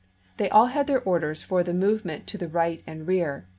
They all had their orders for the move ment to the right and rear.